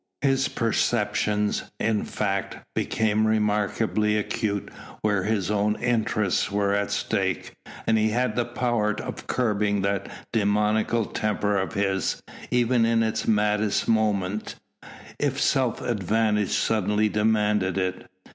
His perceptions, in fact, became remarkably acute where his own interests were at stake, and he had the power of curbing that demoniacal temper of his, even in its maddest moment, if self advantage suddenly demanded it.